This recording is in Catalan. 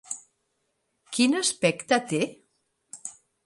Quin aspecte té?